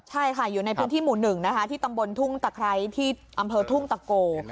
ใช่ค่ะอยู่ในพื้นที่หมู่๑นะคะที่ตำบลทุ่งตะไคร้ที่อำเภอทุ่งตะโก